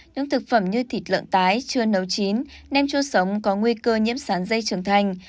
những thực phẩm như thịt lợn tái chưa nấu chín nem chua sống có nguy cơ nhiễm sán dây trưởng thành